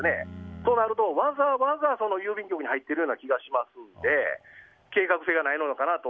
そうなるとわざわざ郵便局に入っているような気がしますので計画性がないのかなと。